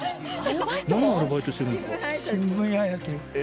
なんのアルバイトしてるんですか？